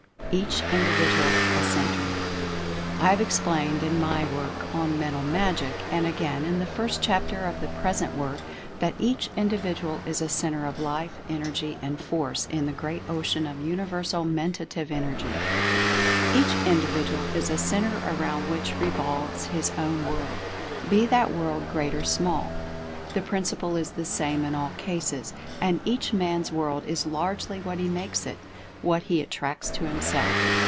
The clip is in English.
EACH INDIVIDUAL A CENTRE. I have explained in my work on "Mental Magic," and again in the first chapter of the present work, that each individual is a Centre of Life, Energy and Force in the Great Ocean of Universal Mentative Energy. Each Individual is a Centre around which revolves his own world, be that world great or small. The principle is the same in all cases. And each man's world is largely what he makes it — what he at tracts to himself.